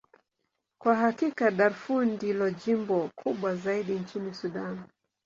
Kwa hakika, Darfur ndilo jimbo kubwa zaidi nchini Sudan.